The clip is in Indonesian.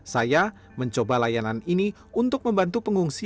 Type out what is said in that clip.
saya mencoba layanan ini untuk membantu pengungsi yang terpisah